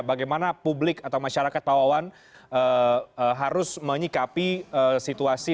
bagaimana publik atau masyarakat pak wawan harus menyikapi situasi